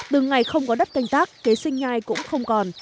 từng ngày không có đất canh tác kế sinh nhai cũng không còn